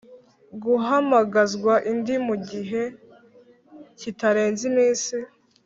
guhamagazwa indi mu gihe kitarenze iminsi